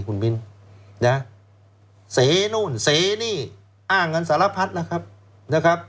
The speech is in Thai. คุณมิ้นนะเสนู่นเสนี่อ้างกันสารพัดแล้วครับนะครับ